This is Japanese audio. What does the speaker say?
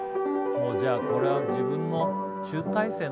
じゃあこれは自分の集大成の。